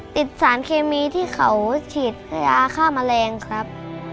ติดสารเคมีที่เขาฉีดยาฆ่าแมลงครับ